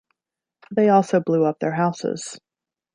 They also blew up their houses.